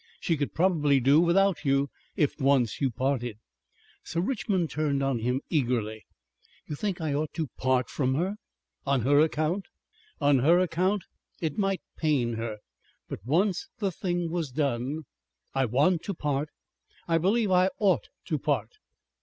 She could probably do without you. If once you parted." Sir Richmond turned on him eagerly. "You think I ought to part from her? On her account?" "On her account. It might pain her. But once the thing was done " "I want to part. I believe I ought to part."